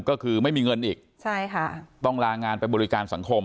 ก็คือไม่มีเงินอีกใช่ค่ะต้องลางานไปบริการสังคม